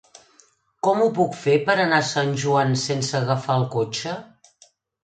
Com ho puc fer per anar a Sant Joan sense agafar el cotxe?